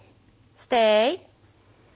ステイ。